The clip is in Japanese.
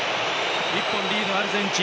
１本リード、アルゼンチン。